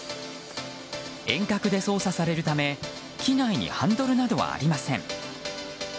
遠隔で操作されるため機内にハンドルなどはありません。